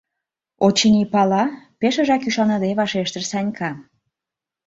— Очыни, пала, — пешыжак ӱшаныде вашештыш Санька.